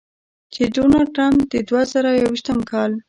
چې د ډونالډ ټرمپ د دوه زره یویشتم کال